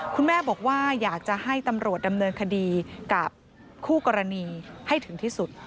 คุณแม่บอกว่าอยากจะให้ตำรวจดำเนินคดีกับคู่กรณีให้ถึงที่สุด